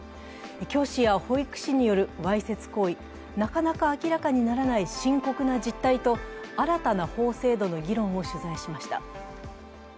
教師や保育士によるわいせつ行為、なかなか明らかにならない深刻な実態と新たな法制度の議論を取材しました。